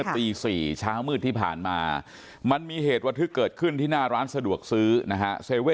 ตี๔เช้ามืดที่ผ่านมามันมีเหตุระทึกเกิดขึ้นที่หน้าร้านสะดวกซื้อนะฮะ